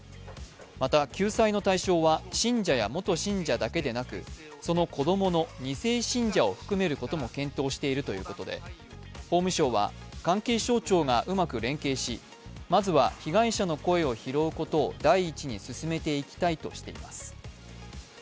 また救済の対象は信者や元信者だけではなく、その子供の２背信者も含めることとしていて法務省は関係省庁がうまく連携しまずは被害者の声を拾うことを第一に進めていきたいとしています。